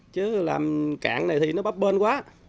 chứ làm cạn này thì nó bấp bên quá